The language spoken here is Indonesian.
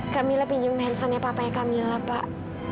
kamila pinjem handphonenya papanya kamila pak